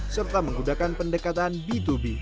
serta menggunakan pendekatan b dua b